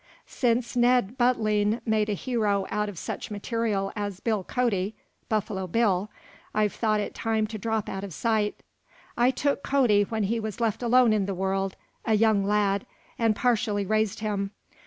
Since Ned Buntline made a hero out of such material as Bill Cody (Buffalo Bill,) I've thought it time to drop out of sight. I took Cody when he was left alone in the world, a young lad, and partially raised him.